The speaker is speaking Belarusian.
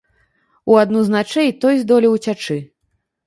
У адну з начэй той здолеў уцячы.